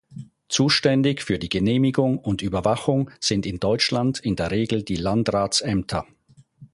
Zuständig für die Genehmigung und Überwachung sind in Deutschland in der Regel die Landratsämter.